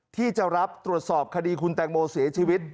ที่จะรับตรวจสอบคดีคุณแตงโมเสียชีวิต